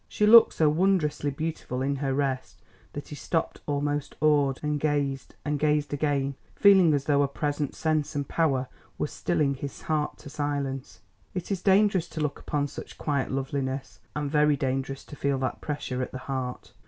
She looked so wondrously beautiful in her rest that he stopped almost awed, and gazed, and gazed again, feeling as though a present sense and power were stilling his heart to silence. It is dangerous to look upon such quiet loveliness, and very dangerous to feel that pressure at the heart.